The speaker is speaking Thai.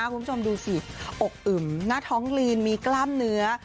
คุณผู้ชมดูสิอกอึมหน้าท้องลีนมีกล้ามเนื้อ